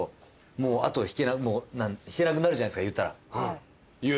もう引けなくなるじゃないですか言ったら。